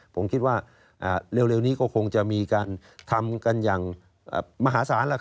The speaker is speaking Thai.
ผมคิดว่าเร็วนี้ก็คงจะมีการทำกันอย่างมหาศาล